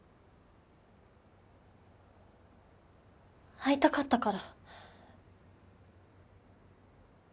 会いたかったから。